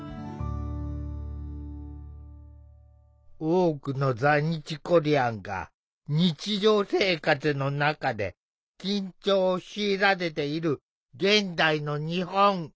多くの在日コリアンが日常生活の中で緊張を強いられている現代の日本。